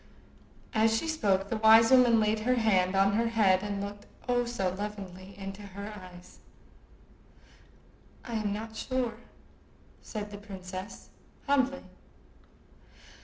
As she spoke, the wise woman laid her hand on her head and looked—oh, so lovingly!—into her eyes. "I am not sure," said the princess, humbly.